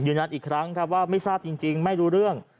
อีกครั้งครับว่าไม่ทราบจริงไม่รู้เรื่อง